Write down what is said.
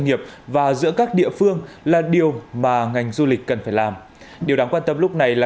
nghiệp và giữa các địa phương là điều mà ngành du lịch cần phải làm điều đáng quan tâm lúc này là